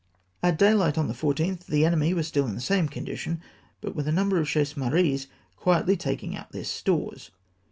At dayhght on the 14th the enemy were still in the same condition, but with a number of chasse marees quietly taking out their stores.